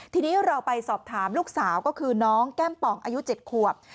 ทีนี้เราไปสอบถามลูกสาวก็คือน้องแก้มป่องอายุ๗ขวบ